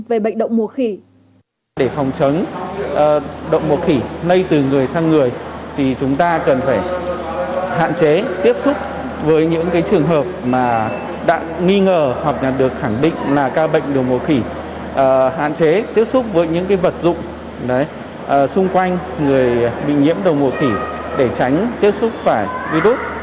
về bệnh động mùa khỉ